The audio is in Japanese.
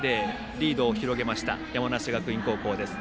リードを広げました山梨学院高校です。